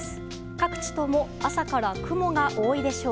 各地とも朝から雲が多いでしょう。